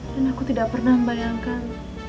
dan aku tidak pernah membayangkan